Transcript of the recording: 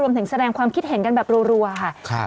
แสดงความคิดเห็นกันแบบรัวค่ะ